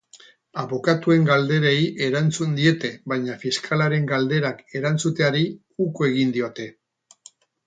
Abokatuen galderei erantzun diete, baina fiskalaren galderak erantzuteari uko egin diote.